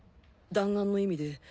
弾丸の意味で